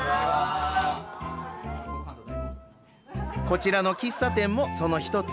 こちらの喫茶店もその１つ。